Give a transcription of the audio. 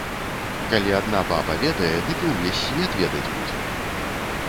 Калі адна баба ведае, дык і ўвесь свет ведаць будзе.